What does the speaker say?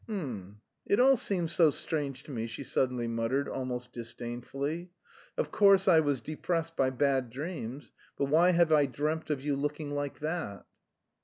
"H'm! It all seems so strange to me," she suddenly muttered almost disdainfully. "Of course I was depressed by bad dreams, but why have I dreamt of you looking like that?"